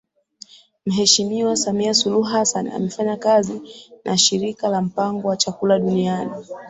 Mheshimiwa Samia Suluhu Hassan amefanya kazi na Shirika la Mpango wa Chakula Duniani